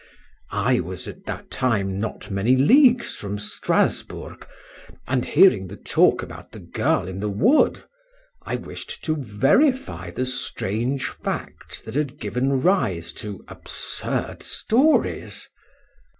"I was at that time not many leagues from Strasbourg; and hearing the talk about the girl in the wood, I wished to verify the strange facts that had given rise to absurd stories.